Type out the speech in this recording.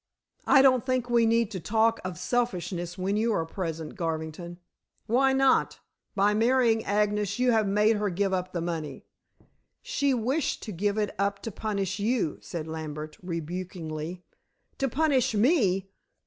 "I don't think we need talk of selfishness when you are present, Garvington." "Why not? By marrying Agnes you have made her give up the money." "She wished to give it up to punish you," said Lambert rebukingly. "To punish me!"